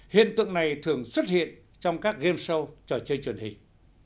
hiện tượng này thường xuất hiện trong các game show trò chơi truyền hình